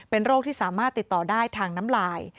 เป็นโรคที่สามารถติดต่อได้ทางน้ำลาย